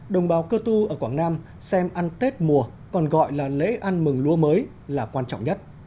đồng bào cơ tu ở quảng nam xem ăn tết mùa còn gọi là lễ ăn mừng lúa mới là quan trọng nhất